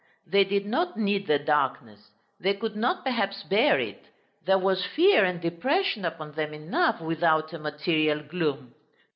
They did not need the darkness; they could not perhaps bear it. There was fear and depression upon them enough, without a material gloom.